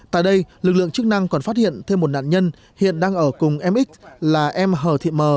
tại đây lực lượng chức năng còn phát hiện thêm một nạn nhân hiện đang ở cùng em x là em hờ thị mờ